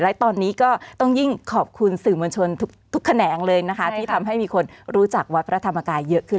และตอนนี้ก็ต้องยิ่งขอบคุณสื่อมวลชนทุกแขนงเลยนะคะที่ทำให้มีคนรู้จักวัดพระธรรมกายเยอะขึ้น